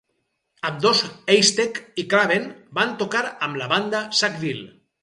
Ambdós Heistek i Craven van tocar amb la banda Sackville.